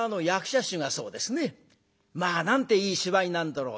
「まあなんていい芝居なんだろう」